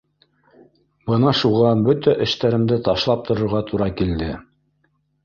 — Бына шуға бөтә эштәремде ташлап торорға тура килде